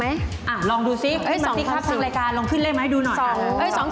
อ่าลองดูซิแล้วมาติ๊กครับทางรายการลงที่เล่มให้ดูหน่อย